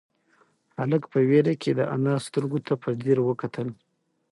هلک په وېره کې د انا سترگو ته په ځير وکتل.